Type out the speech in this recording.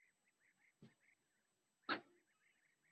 makongamano kwa mfano kwa waalimu au wajuzi